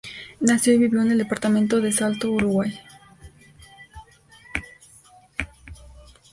Nació y vivió en el departamento de Salto, Uruguay.